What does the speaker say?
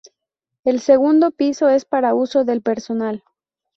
El segundo piso es para uso del personal.